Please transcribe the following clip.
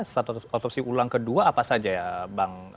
status otopsi ulang kedua apa saja ya bang